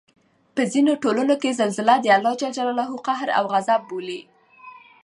په ځینو ټولنو کې زلزله د الله ج قهر او غصب بولي